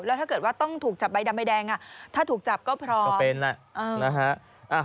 แล้วถ้าเกิดว่าต้องถูกจับใบดำใบแดงถ้าถูกจับก็พร้อมก็เป็นนะฮะ